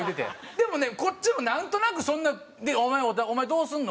でもねこっちもなんとなく「お前どうするの？